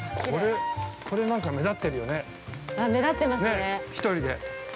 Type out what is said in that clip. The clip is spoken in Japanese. ◆これなんか、目立ってるよね、１人で。